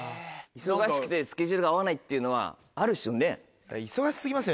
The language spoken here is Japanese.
忙しくてスケジュールが合わないっていうのはある種ね。